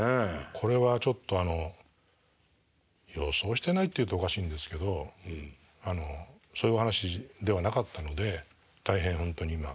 これはちょっと予想してないっていうとおかしいんですけどそういうお話ではなかったので大変本当に今でも。